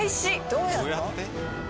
どうやって？